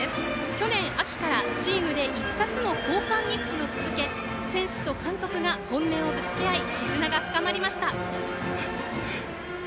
去年秋からチームで１冊の交換日誌を続け選手と監督が本音をぶつけ合い絆が深まりました。